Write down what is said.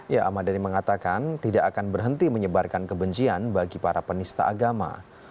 ya ahmad dhani mengatakan tidak akan berhenti menyebarkan kebencian bagi para penista agama